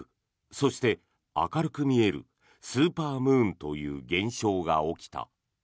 そして、明るく見えるスーパームーンという現象が起きた。